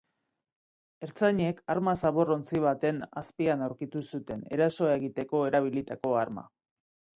Ertzainek arma zaborrontzi baten azpian aurkitu zuten erasoa egiteko erabilitako arma.